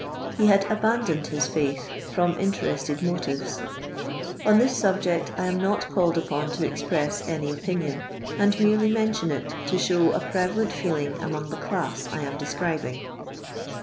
He had abandoned his iaith from interested motiTea. On thia subject I am not called upon to ezpresi any opinion, and merely mention it to show a pretalent foeling among the class I am deseribinff.